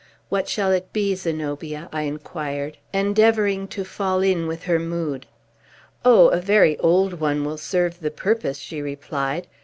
"What shall it be, Zenobia?" I inquired, endeavoring to fall in with her mood. "Oh, a very old one will serve the purpose," she replied.